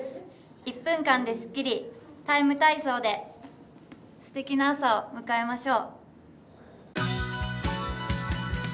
１分間ですっきり、「ＴＩＭＥ，体操」ですてきな朝を迎えましょう。